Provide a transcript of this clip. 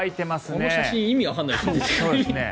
この写真意味わからないですね。